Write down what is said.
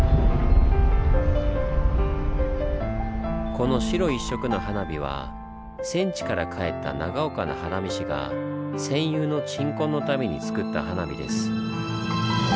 この白一色の花火は戦地から帰った長岡の花火師が戦友の鎮魂のために作った花火です。